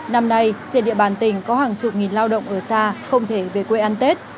năm nay trên địa bàn tỉnh có hàng chục nghìn lao động ở xa không thể về quê ăn tết